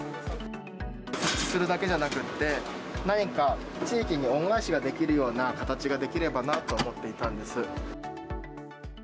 設置するだけじゃなくって、何か地域に恩返しができるような形ができればなと思っていたんです。